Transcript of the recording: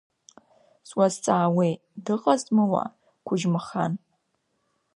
Суазҵаауеит, дыҟазма уа Қәыџьмахан?